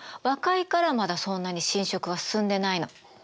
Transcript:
若いからまだそんなに侵食が進んでないの。